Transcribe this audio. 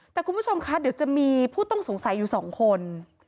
แต่คุณผู้ชมคะเดี๋ยวจะมีผู้ต้องสงสัยอยู่สองคน